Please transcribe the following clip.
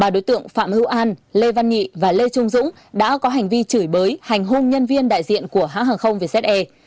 ba đối tượng phạm hiếu an lê văn nhị và lê trung dũng đã có hành vi chửi bới hành hôn nhân viên đại diện của hãng hàng không vze